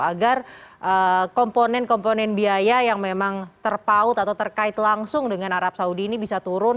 agar komponen komponen biaya yang memang terpaut atau terkait langsung dengan arab saudi ini bisa turun